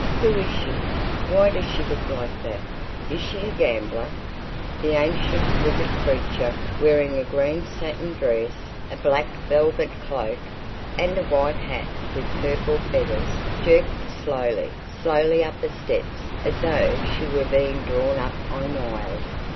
Who is she? Why does she look like that? Is she a gambler?" The ancient, withered creature, wearing a green satin dress, a black velvet cloak and a white hat with purple feathers, jerked slowly, slowly up the steps as though she were being drawn up on wires.